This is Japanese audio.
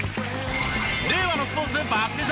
令和のスポーツバスケ